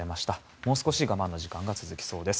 もう少し我慢の時間が続きそうです。